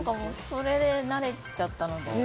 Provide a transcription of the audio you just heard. それで慣れちゃったので。